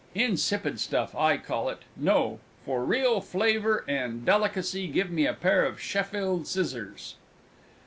"Insipid stuff, I call it! No for real flavour and delicacy, give me a pair of Sheffield scissors!"